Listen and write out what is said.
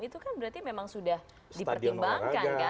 itu kan berarti memang sudah dipertimbangkan kan